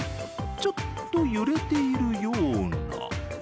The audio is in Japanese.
ちょっと揺れているような。